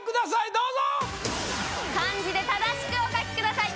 どうぞ漢字で正しくお書きください